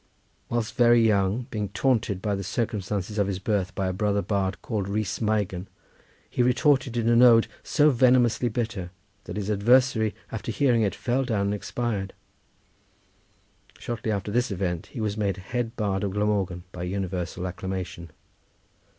Whilst very young, being taunted with the circumstances of his birth by a brother bard called Rhys Meigan, he retorted in an ode so venomously bitter that his adversary, after hearing it, fell down and expired. Shortly after this event he was made head bard of Glamorgan by universal acclamation.